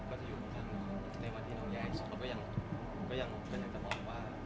ก็จะอยู่ข้างในวันที่น้องแยกก๊อฟก็ยังก็ยังก็อยากจะบอกว่า